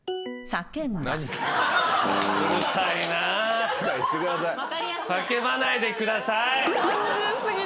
叫ばないでください。